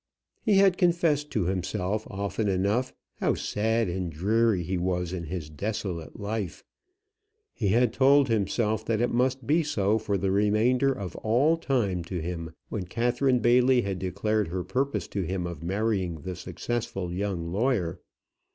He had confessed to himself often enough how sad and dreary he was in his desolate life. He had told himself that it must be so for the remainder of all time to him, when Catherine Bailey had declared her purpose to him of marrying the successful young lawyer.